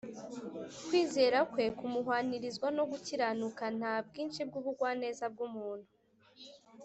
kwizera kwe kumuhwanirizwa no gukiranuka; Nta bwinshi bw'ubugwaneza bw'umuntu